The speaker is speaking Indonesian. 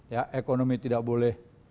ya ekonomi tidak boleh